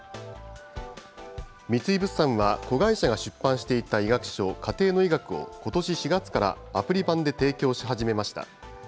三井物産は、子会社が出版していた医学書、家庭の医学を、ことし４月からアプリ版で提供し始めました。